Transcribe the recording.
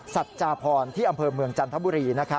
สัจจาพรที่อำเภอเมืองจันทบุรี